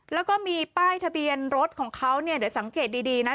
แล้วก็มีป้ายทะเบียนรถของเขาเนี่ยเดี๋ยวสังเกตดีดีนะ